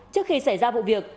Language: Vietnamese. trước khi xảy ra vụ việc